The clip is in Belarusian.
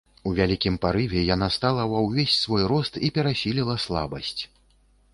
У вялікім парыве яна стала ва ўвесь свой рост і перасіліла слабасць.